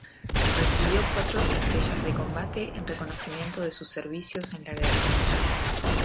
Recibió cuatro estrellas de combate en reconocimiento de sus servicios en la guerra.